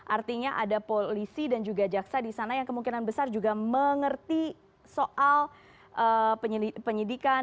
artinya ada polisi dan juga jaksa di sana yang kemungkinan besar juga mengerti soal penyidikan